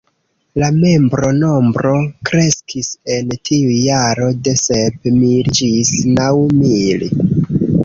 La membronombro kreskis en tiu jaro de sep mil ĝis naŭ mil.